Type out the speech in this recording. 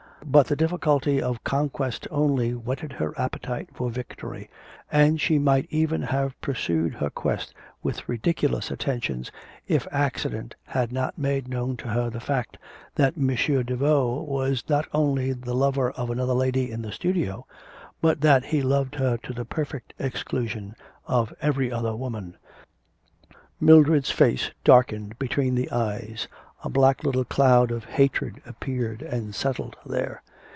But the difficulty of conquest only whetted her appetite for victory, and she might even have pursued her quest with ridiculous attentions if accident had not made known to her the fact that M. Daveau was not only the lover of another lady in the studio, but that he loved her to the perfect exclusion of every other woman. Mildred's face darkened between the eyes, a black little cloud of hatred appeared and settled there.